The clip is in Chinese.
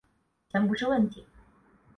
钱不是问题